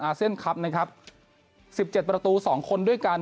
เซียนคลับนะครับสิบเจ็ดประตูสองคนด้วยกัน